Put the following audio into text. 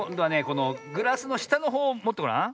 このグラスのしたのほうをもってごらん。